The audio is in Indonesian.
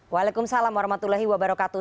waalaikumsalam warahmatullahi wabarakatuh